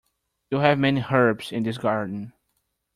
You have many herbs in this garden.